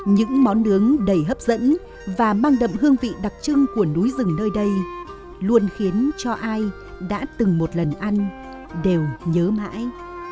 những món nướng đầy hấp dẫn và mang đậm hương vị đặc trưng của núi rừng nơi đây luôn khiến cho ai đã từng một lần ăn đều nhớ mãi